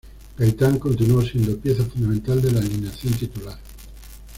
Gaitán continuó siendo pieza fundamental de la alineación titular.